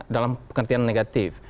dalam pengertian negatif